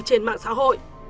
trên mạng xã hội